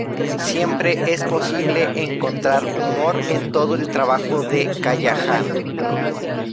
Siempre es posible encontrar humor en todo el trabajo de Callahan.